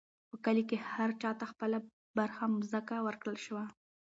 په کلي کې هر چا ته خپله برخه مځکه ورکړل شوه.